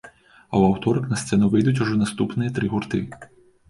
А ў аўторак на сцэну выйдуць ужо наступныя тры гурты.